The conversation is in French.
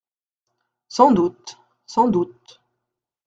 Sans doute… sans doute.